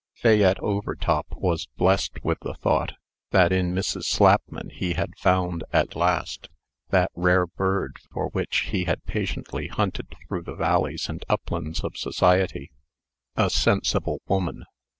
Fayette Overtop was blessed with the thought, that in Mrs. Slapman he had found, at last, that rare bird for which he had patiently hunted through the valleys and uplands of society "a sensible woman."